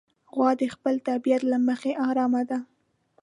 غوا د خپل طبیعت له مخې ارامه ده.